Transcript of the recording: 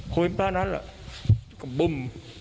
พูดพี่มดพ่อนั้นแล้วก็บึ้ม